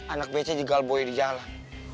anak bece jegal buaya di jalan